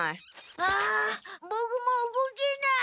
あボクもう動けない。